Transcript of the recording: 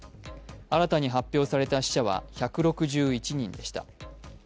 新たに発表された死者は１６１人でした。